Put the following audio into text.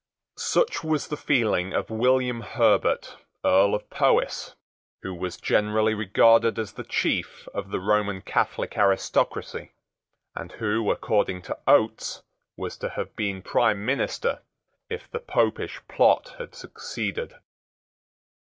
Such was the feeling of William Herbert, Earl of Powis, who was generally regarded as the chief of the Roman Catholic aristocracy, and who, according to Oates, was to have been prime minister if the Popish plot had succeeded.